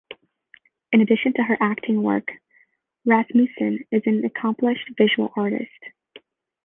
In addition to her acting work, Rasmussen is an accomplished visual artist.